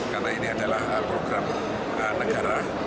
karena ini adalah perjalanan yang sangat berharga